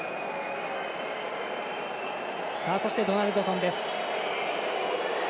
そしてドナルドソンです。